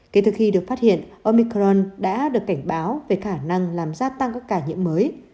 kể từ khi được phát hiện omicron đã được cảnh báo về khả năng làm gia tăng các ca nhiễm mới